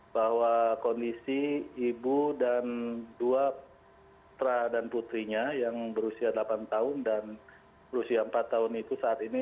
bahwa kondisi ibu dan dua pra dan putrinya yang berusia delapan tahun dan berusia empat tahun itu saat ini